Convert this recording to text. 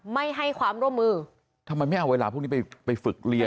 ไม่ให้ความร่วมมือทำไมไม่เอาเวลาพวกนี้ไปไปฝึกเรียน